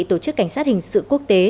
tổ chức cảnh sát hình sự quốc tế